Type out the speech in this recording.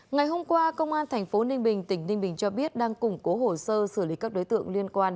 ngày hôm qua công an tp ninh bình tỉnh ninh bình cho biết đang củng cố hồ sơ xử lý các đối tượng liên quan